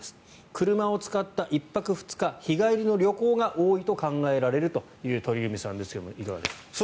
車を使った１泊２日日帰りの旅行が多いと考えられると鳥海さんですがいかがでしょうか。